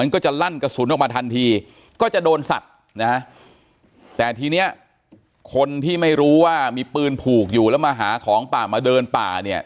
ก็จะโดนสัตว์นะฮะแต่ทีนี้คนที่ไม่รู้ว่ามีปืนผูกอยู่แล้วมาหาของป่ามาเดินป่าเนี่ย